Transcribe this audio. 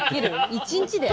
一日で？